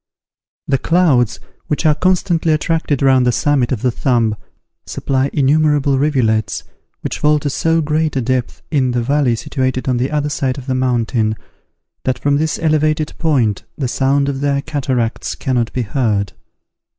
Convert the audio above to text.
The clouds, which are constantly attracted round the summit of the Thumb, supply innumerable rivulets, which fall to so great a depth in the valley situated on the other side of the mountain, that from this elevated point the sound of their cataracts cannot be heard.